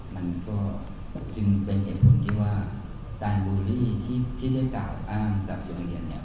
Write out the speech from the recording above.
มันก็จึงเป็นเหตุผลที่ว่าการบูลลี่ที่ได้กล่าวอ้างกับโรงเรียนเนี่ย